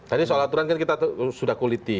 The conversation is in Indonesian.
tadi soal aturan kan kita sudah kuliti